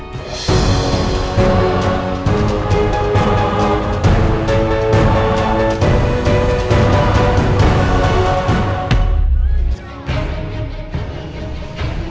kalau sampai saat ini